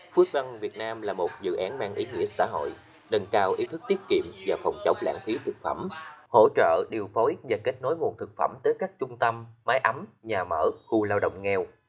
phước văn việt nam là một dự án mang ý nghĩa xã hội nâng cao ý thức tiết kiệm và phòng chống lãng phí thực phẩm hỗ trợ điều phối và kết nối nguồn thực phẩm tới các trung tâm máy ấm nhà mở khu lao động nghèo